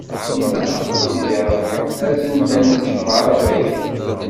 Inna: A Sidi Ṛebbi, azen-d ad nečč lbaṛaka-k!